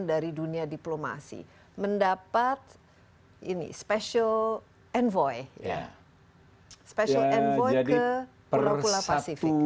dari dunia diplomasi mendapat ini special envoy ya special envoy ke perpula pasifik